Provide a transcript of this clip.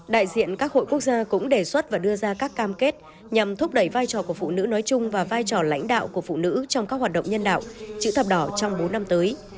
đại diện các hội quốc gia cũng đề xuất và đưa ra các cam kết nhằm thúc đẩy vai trò của phụ nữ nói chung và vai trò lãnh đạo của phụ nữ trong các hoạt động nhân đạo chữ thập đỏ trong bốn năm tới